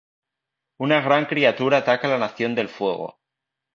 Una gran criatura ataca a la Nación del Fuego.